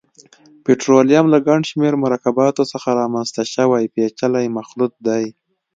پټرولیم له ګڼشمېر مرکباتو څخه رامنځته شوی پېچلی مخلوط دی.